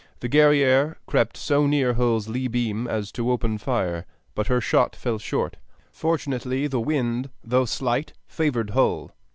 The Guerrière crept so near Hull's lee beam as to open fire, but her shot fell short. Fortunately the wind, though slight, favored Hull.